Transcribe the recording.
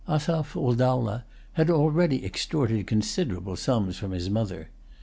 Asaph ul Dowlah had already extorted considerable sums from his mother.